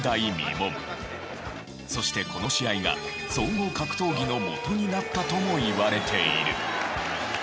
そしてこの試合が総合格闘技のもとになったともいわれている。